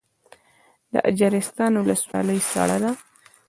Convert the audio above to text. د اجرستان ولسوالۍ سړه ده